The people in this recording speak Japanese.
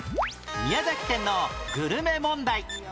宮崎県のグルメ問題